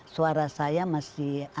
suara saya masih